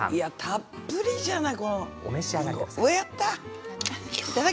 たっぷりじゃない。